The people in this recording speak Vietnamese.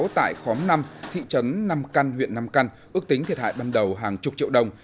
tại khóm năm thị trấn nam căn huyện nam căn ước tính thiệt hại ban đầu hàng chục triệu đồng